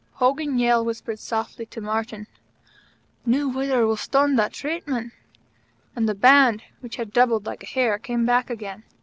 Hogan Yale whispered softly to Martyn: "No wire will stand that treatment," and the Band, which had doubled like a hare, came back again.